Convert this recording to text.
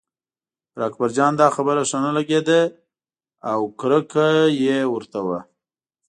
پر اکبرجان دا خبره ښه نه لګېده او یې کرکه ورته وه.